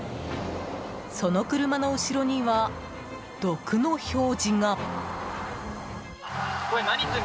その車の後ろには「毒」の表示が。